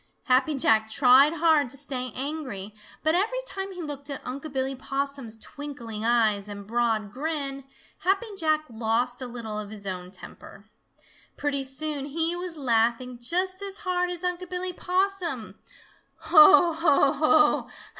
Happy Jack tried hard to stay angry, but every time he looked at Unc' Billy Possum's twinkling eyes and broad grin, Happy Jack lost a little of his own temper. Pretty soon he was laughing just as hard as Unc' Billy Possum. "Ho, ho, ho!